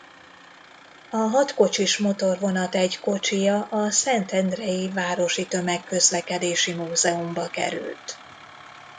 A hat kocsis motorvonat egy kocsija a szentendrei Városi Tömegközlekedési Múzeumba került.